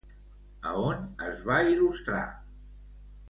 A on es va il·lustrar?